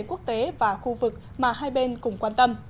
quốc tế và khu vực mà hai bên cùng quan tâm